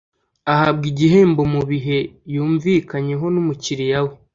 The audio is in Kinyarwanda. ahabwa igihembo mu bihe yumvikanyeho n umukiriya we